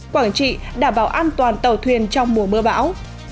quảng trị đảm bảo an toàn tàu thuyền trong mùa mưa bão